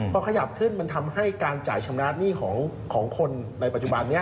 พอขยับขึ้นมันทำให้การจ่ายชำระหนี้ของคนในปัจจุบันนี้